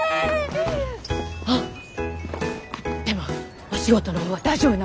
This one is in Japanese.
あっでもお仕事のほうは大丈夫なの？